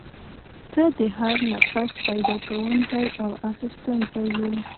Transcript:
ته د هر نفس پیدا کوونکی او اخیستونکی یې.